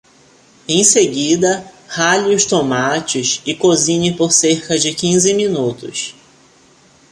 Em seguida, rale os tomates e cozinhe por cerca de quinze minutos.